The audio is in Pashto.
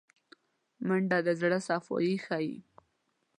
منډه د زړه صفايي ښيي